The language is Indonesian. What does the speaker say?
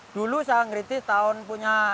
dulu saya ngeritik tahun punya